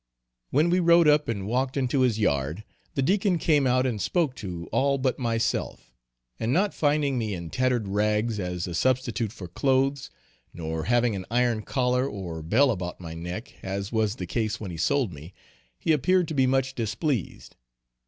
When we rode up and walked into his yard, the Deacon came out and spoke to all but myself; and not finding me in tattered rags as a substitute for clothes, nor having an iron collar or bell about my neck, as was the case when he sold me, he appeared to be much displeased.